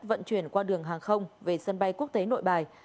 vận chuyển qua đường hàng không về sân bay quốc tế nội bài